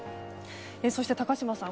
そして、高島さん